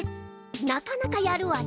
なかなかやるわね。